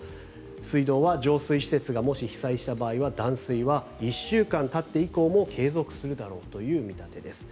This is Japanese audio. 水道は浄水施設がもし被災した場合は断水は１週間たって以降も継続するだろうという見立てです。